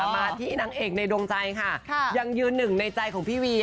มาที่นางเอกในดวงใจค่ะยังยืนหนึ่งในใจของพี่เวีย